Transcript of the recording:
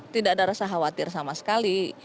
tidak ada rasa khawatir sama sekali